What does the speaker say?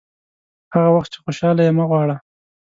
هغه وخت چې خوشاله یې مه غواړه.